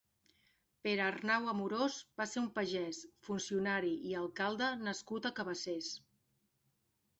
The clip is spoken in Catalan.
Pere Arnau Amorós va ser un pagès, funcionari i alcalde nascut a Cabassers.